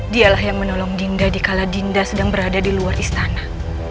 dialah yang menolong dinda di kala dinda sedang berada di luar istana